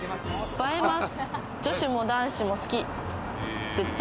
映えます。